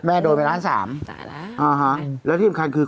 แม่โดยเวลาสามจ้ะละอ่อฮะแล้วที่สำคัญคือ